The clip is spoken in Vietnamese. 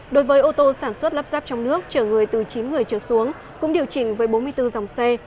đối với ô tô sản xuất lắp ráp trong nước chở người từ chín người chở xuống cũng điều chỉnh với bốn mươi bốn dòng xe